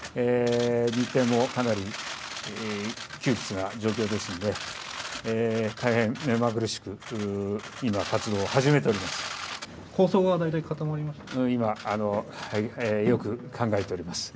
日程もかなり窮屈な状況ですので、大変目まぐるしく、今、活動を始めております。